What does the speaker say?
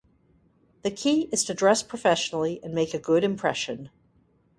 The key is to dress professionally and make a good impression.